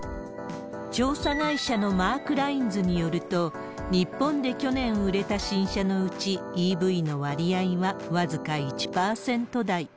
調査会社のマークラインズによると、日本で去年売れた新車のうち、ＥＶの割合は僅か１％台。